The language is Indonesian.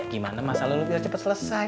gimana masalah lu biar cepat selesai